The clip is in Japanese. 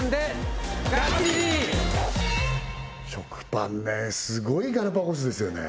食パンねスゴいガラパゴスですよね